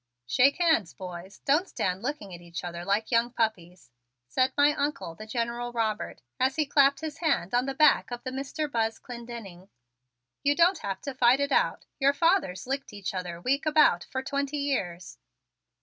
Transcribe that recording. "Shake hands, boys; don't stand looking at each other like young puppies," said my Uncle, the General Robert, as he clapped his hand on the back of the Mr. Buzz Clendenning. "You don't have to fight it out. Your fathers licked each other week about for twenty years."